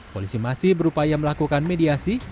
polisi masih berupaya melakukan mediasi